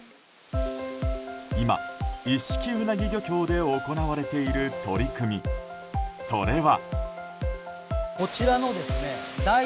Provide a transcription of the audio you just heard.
今、一色うなぎ漁協で行われている取り組みそれは。